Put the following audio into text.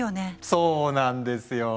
そうなんですよ。